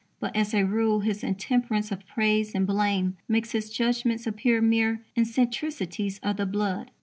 But, as a rule, his intemperance of praise and blame makes his judgments appear mere eccentricities of the blood.